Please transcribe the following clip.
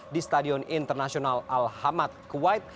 di stadion internasional al hamad kuwait